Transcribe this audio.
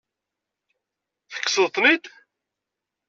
Tekkseḍ-ten-id?